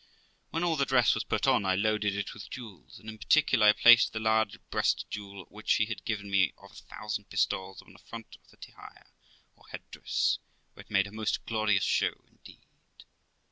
When all the dress was put on, I loaded it with jewels, and in particular I placed the large breast] ewel which he had given me of a thousand pistoles upon the front of the tyhaia, or head dress, where it made a most glorious show indeed.